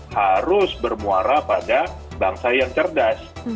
harus bermuara pada bangsa yang cerdas